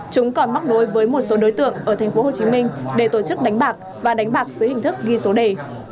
chúng còn mắc đối với một số đối tượng ở tp hcm để tổ chức đánh bạc và đánh bạc dưới hình thức ghi số đề